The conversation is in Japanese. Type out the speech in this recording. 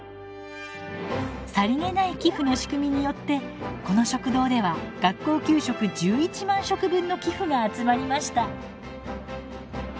さりげない寄付の仕組みによってこの食堂では学校給食１１万食分の寄付が集まりました。